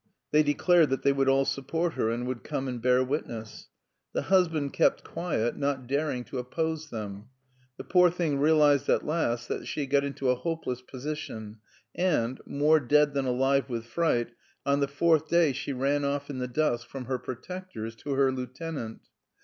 They declared that they would all support her and would come and bear witness. The husband kept quiet, not daring to oppose them. The poor thing realised at last that she had got into a hopeless position and, more dead than alive with fright, on the fourth day she ran off in the dusk from her protectors to her lieutenant.